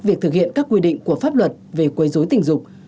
và thực hiện các quy định của pháp luật về quấy rối tình dục